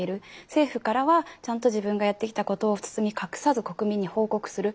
政府からはちゃんと自分がやってきたことを包み隠さず国民に報告する。